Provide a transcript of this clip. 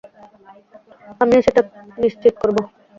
আমিও সেটা নিশ্চিত করব।